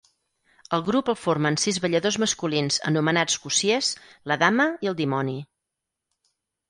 El grup el formen sis balladors masculins anomenats cossiers, la dama i el dimoni.